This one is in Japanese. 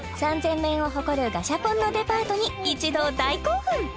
３０００面を誇るガシャポンのデパートに一同大興奮！